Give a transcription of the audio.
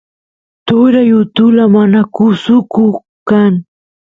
turay utula manakusuko kan